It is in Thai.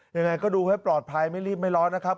ยังไงก็ดูให้ปลอดภัยไม่รีบไม่ร้อนนะครับ